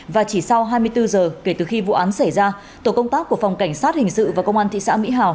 và chỉ sau hai mươi bốn giờ kể từ khi vụ án xảy ra tổ công tác của phòng cảnh sát hình sự và công an thị xã mỹ hào